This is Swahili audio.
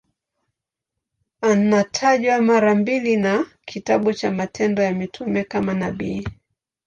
Anatajwa mara mbili na kitabu cha Matendo ya Mitume kama nabii.